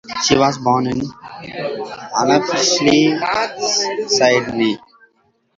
He was born in Arncliffe, Sydney.